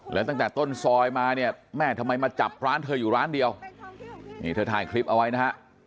แล้วตั้งแต่ต้นซอยมาเนี่ยแม่ทำไมมาจับร้านเธออยู่ร้านเดียวนี่เธอถ่ายคลิปเอาไว้นะฮะ